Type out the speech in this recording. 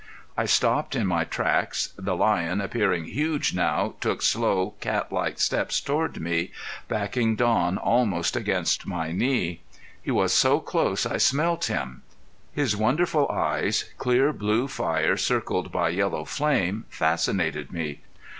I stopped in my tracks. The lion, appearing huge now, took slow catlike steps toward me, backing Don almost against my knees. He was so close I smelt him. His wonderful eyes, clear blue fire circled by yellow flame, fascinated me.